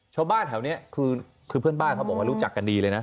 ชาวบ้านแถวนี้คือเพื่อนบ้านเขาบอกว่ารู้จักกันดีเลยนะ